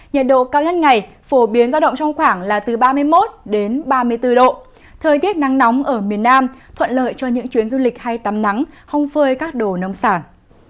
nhiệt độ cao nhất ngày phổ biến giao động trong khoảng là từ ba mươi một đến ba mươi bốn độ thời tiết nắng nóng ở miền nam thuận lợi cho những chuyến du lịch hay tắm nắng hông phơi các đồ nông sản